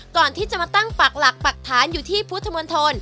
ก่อนที่จะมาตั้งปักหลักปรักฐานอยู่ที่พุทธมนตร